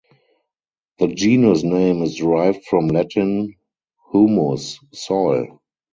The genus name is derived from Latin "humus" (soil).